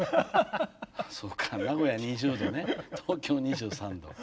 そうか名古屋２０度ね東京２３度。